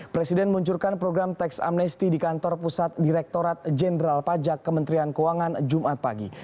presiden muncurkan program tax amnesty di kantor pusat direktorat jenderal pajak kementerian keuangan jumat pagi